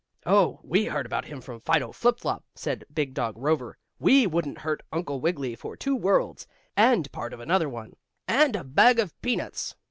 "Oh, we heard about him from Fido Flip Flop," said big dog Rover. "We wouldn't hurt Uncle Wiggily for two worlds, and part of another one, and a bag of peanuts."